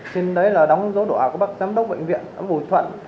trên đấy là đóng dấu đỏ của bác giám đốc bệnh viện bùi thuận